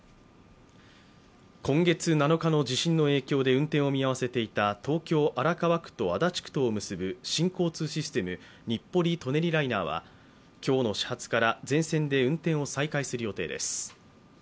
今月７日の地震の影響で運転を見合わせていた東京・荒川区と足立区とを結ぶ新交通システム日暮里舎人ライナーは今日の始発から全線で運転を再開する予定です。